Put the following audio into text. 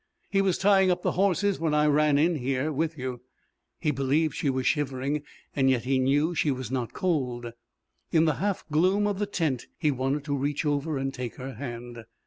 He was tying up the horses when I ran in here with you." He believed she was shivering, yet he knew she was not cold. In the half gloom of the tent he wanted to reach over and take her hand.